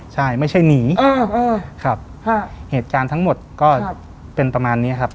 ใช่ไม่ใช่หนีครับเหตุการณ์ทั้งหมดก็เป็นประมาณนี้ครับ